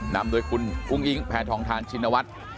นำโดยคุณอุ้งอิงแพทองทานชินวัฒน์